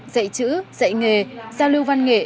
dạy chữ dạy nghề giao lưu văn nghệ